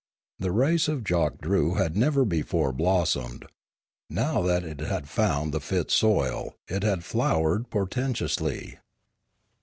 The race of Jock Drew had never before blossomed; now that it had found the fit soil, it had flowered porten tously.